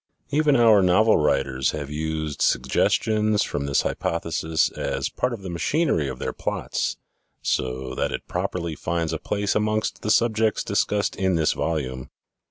Even our novel writers have used suggestions from this hypothesis as part of the machinery of their plots so that it properly finds a place amongst the subjects discussed in this volume.